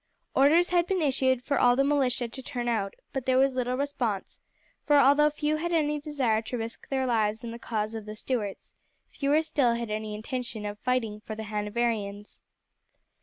Orders had been issued for all the militia to turn out, but there was little response, for although few had any desire to risk their lives in the cause of the Stuarts, fewer still had any intention of fighting for the Hanoverians.